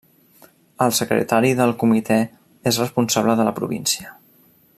El secretari del comitè és responsable de la província.